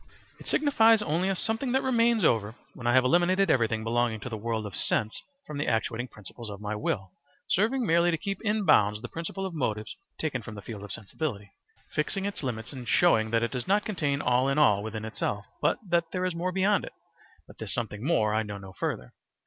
It signifies only a something that remains over when I have eliminated everything belonging to the world of sense from the actuating principles of my will, serving merely to keep in bounds the principle of motives taken from the field of sensibility; fixing its limits and showing that it does not contain all in all within itself, but that there is more beyond it; but this something more I know no further.